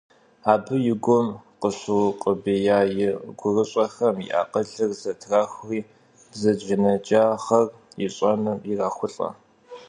Абы и гум къыщыукъубея и гурыщӏэхэм и акъылыр зэтрахури, бзаджэнаджагъэр ищӏэным ирахулӏэ.